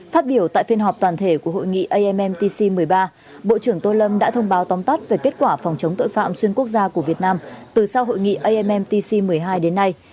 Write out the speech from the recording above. phát biểu tại phiên họp toàn thể của hội nghị ammtc một mươi ba bộ trưởng tô lâm đã thông báo tóm tắt về kết quả phòng chống tội phạm xuyên quốc gia của việt nam từ sau hội nghị ammtc một mươi hai đến nay